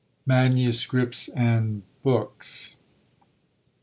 MANUSCRIPTS AND BOOKS.